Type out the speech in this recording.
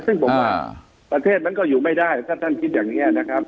ซึ่งผมว่าประเทศมันก็อยู่ไม่ได้ถ้าท่านคิดอย่างนี้นะครับ